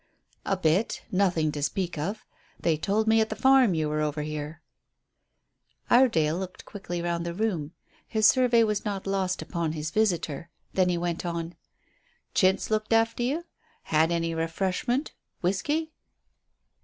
"A bit; nothing to speak of. They told me at the farm you were over here." Iredale looked quickly round the room. His survey was not lost upon his visitor. Then he went on "Chintz looked after you? Had any refreshment? Whisky?"